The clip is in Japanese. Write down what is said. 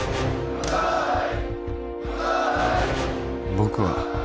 僕は